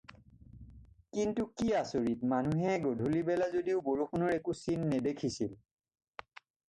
কিন্তু কি আচৰিত মানুহে গধূলিবেলা যদিও বৰষুণৰ একো চিন নেদেখিছিল